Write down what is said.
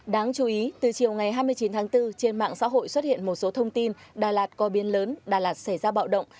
đáng chú ý từ chiều ngày hai mươi chín tháng bốn trên mạng xã hội xuất hiện một số thông tin đà lạt coi biến lớn đà lạt xảy ra bạo động